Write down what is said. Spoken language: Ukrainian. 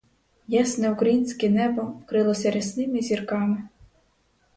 Ясне українське небо вкрилося рясними зірками.